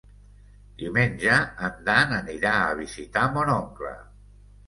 Diumenge en Dan anirà a visitar mon oncle.